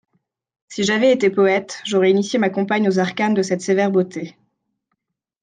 Si j'avais été poète, j'aurais initié ma compagne aux arcanes de cette sévère beauté.